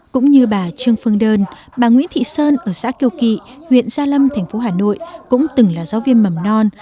cũng như bà trương phương đơn bà nguyễn thị sơn ở xã kiều kỵ huyện gia lâm thành phố hà nội cũng từng là giáo viên mầm non